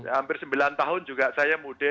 hampir sembilan tahun juga saya mudik